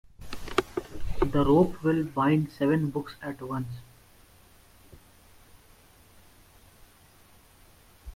The rope will bind the seven books at once.